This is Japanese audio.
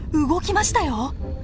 動きましたよ。